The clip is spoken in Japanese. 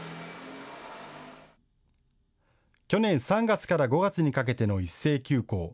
去年３月から５月にかけての一斉休校。